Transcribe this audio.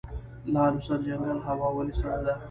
لعل او سرجنګل هوا ولې سړه ده؟